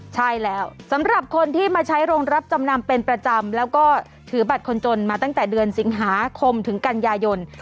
ใช่แล้วสำหรับคนที่มาใช้โรงรับจำนำเป็นประจำแล้วก็ถือบัตรคนจนมาตั้งแต่เดือนสิงหาคมถึงกันยายน